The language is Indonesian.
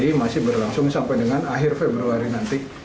langsung sampai dengan akhir februari nanti